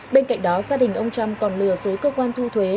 bên cạnh đó gia đình ông trump còn lừa dối cơ quan thu thuế